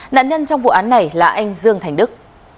nạn nhân trong vụ án này là anh dương thành đức